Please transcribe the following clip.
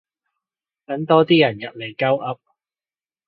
等多啲人入嚟鳩噏